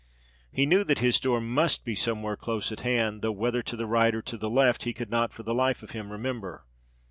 He knew that his door must be somewhere close at hand; though whether to the right or to the left, he could not for the life of him remember.